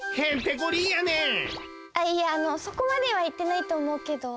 あいやあのそこまではいってないとおもうけど。